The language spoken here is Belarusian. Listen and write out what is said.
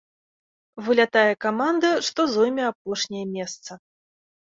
Вылятае каманда, што зойме апошняе месца.